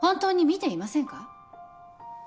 見ていません。